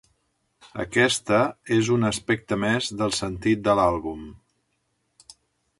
Aquesta és un aspecte més del sentit de l'àlbum.